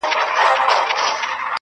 کلونه کیږي د ځنګله پر څنډه-